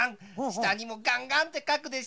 したにもガンガンってかくでしょ。